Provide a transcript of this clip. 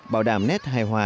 bảo đảm nét hài hòa